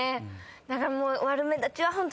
だからもう。